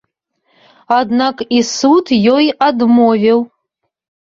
Аднак і суд ёй адмовіў.